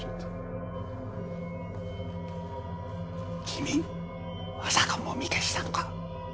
君まさかもみ消したのか！？